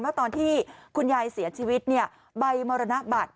ว่าตอนที่คุณยายเสียชีวิตใบมรณบัตร